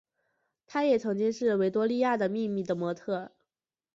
她也曾经是维多利亚的秘密的模特儿。